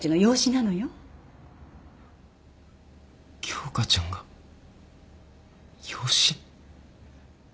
京花ちゃんが養子？